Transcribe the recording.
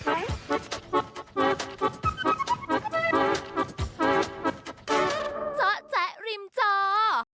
เจาะแจ๊ะริมจอ